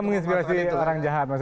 menginspirasi orang jahat